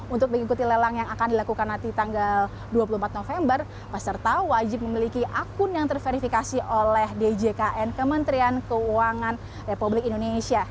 untuk mengikuti lelang yang akan dilakukan nanti tanggal dua puluh empat november peserta wajib memiliki akun yang terverifikasi oleh djkn kementerian keuangan republik indonesia